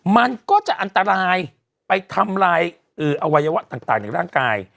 มันก็จะอันตรายไปทำลายอวัยวะต่างในร่างกาย